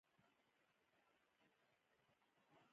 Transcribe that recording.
ما ورته وویل: زه یې په کیسه کې نه یم، پرېږده چې څه وایې.